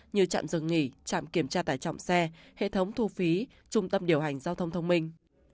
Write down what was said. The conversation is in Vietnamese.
như trạm dừng nghỉ trạm kiểm tra tải trọng xe hệ thống thu phí trung tâm điều hành giao thông thông minh